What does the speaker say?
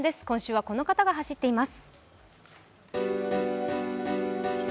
今週はこの方が走っています。